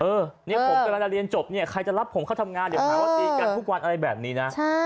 เนี่ยผมกำลังจะเรียนจบเนี่ยใครจะรับผมเข้าทำงานเดี๋ยวหาว่าตีกันทุกวันอะไรแบบนี้นะ